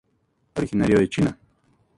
Originario de China.